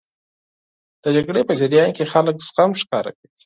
د جګړې په جریان کې خلک زغم ښکاره کوي.